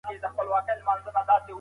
زموږ د پلار او دنیکه په مقبره کي